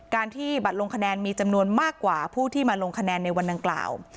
ที่บัตรลงคะแนนมีจำนวนมากกว่าผู้ที่มาลงคะแนนในวันดังกล่าว